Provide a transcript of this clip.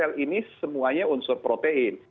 empat sel ini semuanya unsur protein